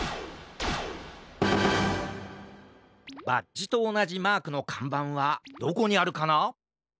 バッジとおなじマークのかんばんはどこにあるかな？